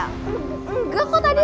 enggak kok tadi udah